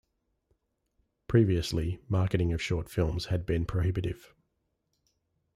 Previously, marketing of short films had been prohibitive.